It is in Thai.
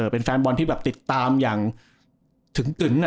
เป็นแฟนบอลที่แบบติดตามอย่างถึงกึ่ง